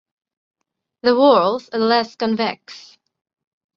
The whorls are less convex.